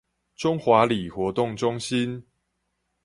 中華里活動中心